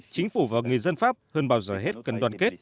chính phủ và người dân pháp hơn bao giờ hết cần đoàn kết